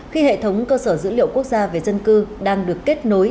khi hệ thống cơ sở dữ liệu quốc gia về dân cư đang được kết nối